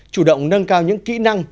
chủ động nâng cao những kỹ năng